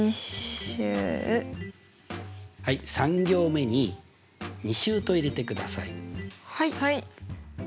３行目に「２週」と入れてください。